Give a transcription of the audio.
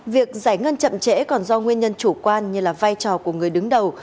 việc giải ngân chậm trễ còn do nguyên nhân chủ quan như là vai trò của người đứng đầu